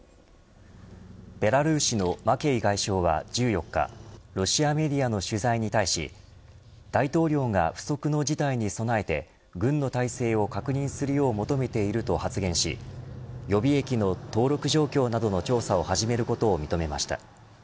ベラルーシのマケイ外相は１４日ロシアメディアの取材に対し大統領が不測の事態に備えて軍の態勢を確認するよう求めていると発言し予備役の登録状況などの調査を始めることを認めました。